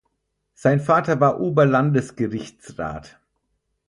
Sein Vater war Oberlandesgerichtsrat.